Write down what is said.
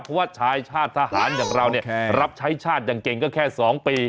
เพราะว่าชายชาติทหารอย่างเราเนี่ยรับใช้ชาติอย่างเก่งก็แค่๒ปี